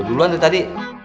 gue duluan dari tadi